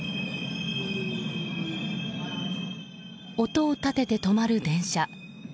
音を立てて止まる電車。